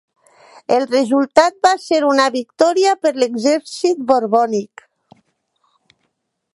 El resultat va ser una victòria per l'exèrcit borbònic.